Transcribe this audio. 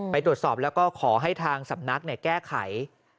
ไปตรวจสอบแล้วก็ขอให้ทางสำนักแก้ไข